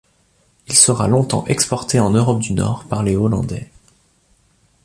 Il sera longtemps exporté en Europe du Nord par les Hollandais.